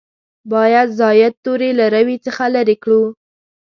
باید زاید توري له روي څخه لرې کړو.